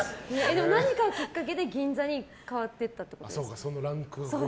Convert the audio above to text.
何かをきっかけに銀座に変わったってことですか。